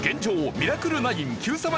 ミラクル９Ｑさま！！